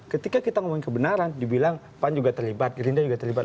ketika kita ngomongin kebenaran dibilang pan juga terlibat gerindra juga terlibat